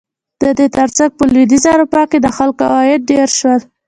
د دې ترڅنګ په لوېدیځه اروپا کې د خلکو عواید ډېر شول.